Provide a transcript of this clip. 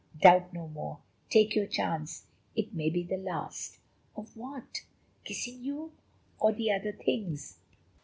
Doubt no more; take your chance, it may be the last." "Of what? Kissing you? Or the other things?"